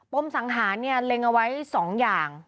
ปมสังหาเล็งไว้๒อย่าง